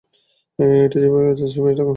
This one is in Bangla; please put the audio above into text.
এঁটা যেভাবে আছে সেভাবেই থাকুক!